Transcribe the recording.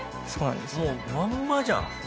もうまんまじゃん。